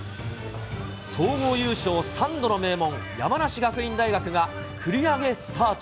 総合優勝３度の名門、山梨学院大学が繰り上げスタート。